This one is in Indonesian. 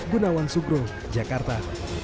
gunawan sugro jakarta